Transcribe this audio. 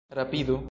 Rapidu!